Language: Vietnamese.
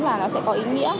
và nó sẽ có ý nghĩa